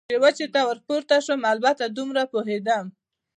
چې وچې ته ور پورته شم، البته دومره پوهېدم.